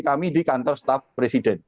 kami di kantor staf presiden